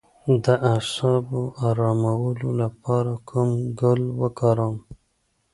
د اعصابو ارامولو لپاره کوم ګل وکاروم؟